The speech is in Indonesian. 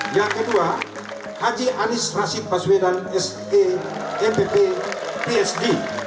yang kedua haji anies rasid baswedan sempp psd